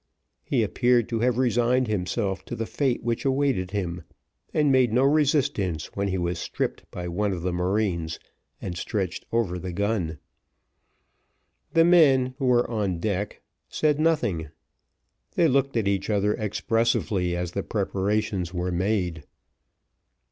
He appeared to have resigned himself to the fate which awaited him, and made no resistance when he was stripped by one of the marines, and stretched over the gun. The men, who were on deck, said nothing; they looked at each other expressively as the preparations were made.